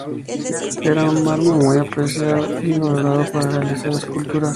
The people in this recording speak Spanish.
Era un mármol muy apreciado y valorado para realizar esculturas.